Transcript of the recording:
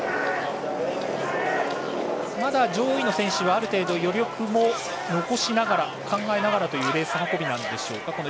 まだ上位の選手は、ある程度余力を残しながら考えながらというレース運びでしょうか。